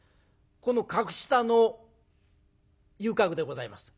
この格下の遊郭でございます。